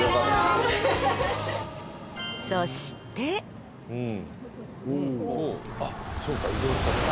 そしてあっそうか移動したんだ。